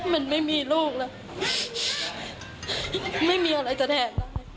มันไม่มีลูกแล้วไม่มีอะไรจะแทน